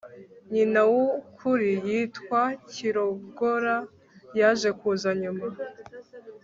nyina w'ukuri witwa kirongora yaje kuza nyuma